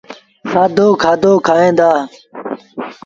سآدو کآدو کائيٚݩ دآ۔